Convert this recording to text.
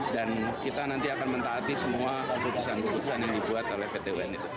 dan kita nanti akan mentaati semua keputusan keputusan yang dibuat oleh pt un itu